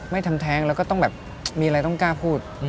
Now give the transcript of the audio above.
ทำแท้งแล้วก็ต้องแบบมีอะไรต้องกล้าพูด